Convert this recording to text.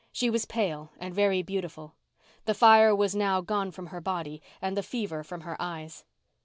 She was pale and very beautiful. The fire was now gone from her body and the fever from her eyes.